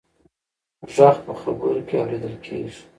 غږ په خبرو کې اورېدل کېږي.